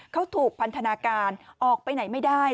เขาถูกพันธนาการออกไปไหนไม่ได้